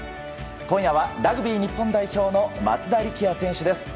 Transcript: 今夜はラグビー日本代表の松田力也選手です。